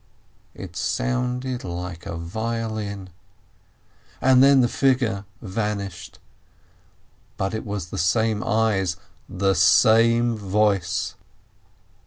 It sounded like a violin, and then the figure vanished. But it was the same eyes, the same voice.